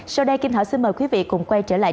sau đây kim thảo xin mời quý vị cùng quay trở lại